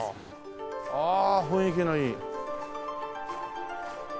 ああ雰囲気のいい。